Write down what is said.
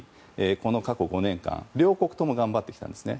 この過去５年間両国とも頑張ってきたんです。